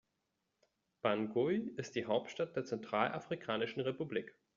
Bangui ist die Hauptstadt der Zentralafrikanischen Republik.